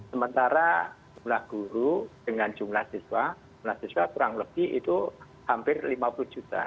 sementara jumlah guru dengan jumlah siswa mahasiswa kurang lebih itu hampir lima puluh juta